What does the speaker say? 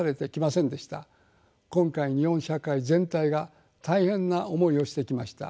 今回日本社会全体が大変な思いをしてきました。